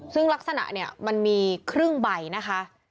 ซึ่งลักษณะเนี่ยมันมีครึ่งใบนะคะ